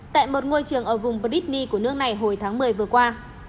tại một ngôi trường ở vùng bridney của nước này hồi tháng một mươi vừa qua